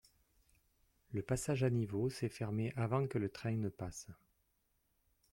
Le passage à niveau s’est fermé avant que le train ne passe.